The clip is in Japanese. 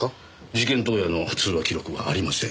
事件当夜の通話記録はありません。